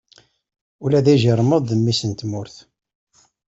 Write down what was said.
Ula d ijiṛmeḍ d mmis n tmurt.